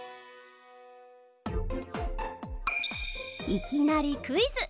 いきなりクイズ！